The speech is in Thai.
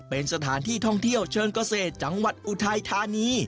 เป็นสถานที่ท่องเที่ยวเชิงเกษตรจังหวัดอุทัยธานี